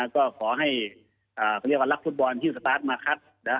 ก็ขอให้เขาเรียกว่ารักฟุตบอลที่สตาร์ทมาคัด